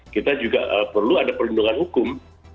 kita juga perlu ada perlindungan hukum